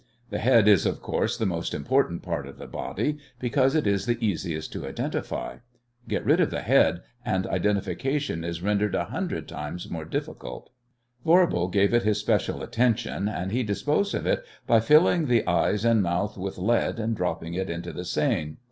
The head is, of course, the most important part of the body, because it is the easiest to identify. Get rid of the head and identification is rendered a hundred times more difficult. Voirbo gave it his special attention, and he disposed of it by filling the eyes and mouth with lead and dropping it into the Seine.